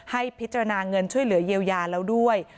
ให้พิจารณาเงินช่วยเหลือเยียวยาแล้วด้วย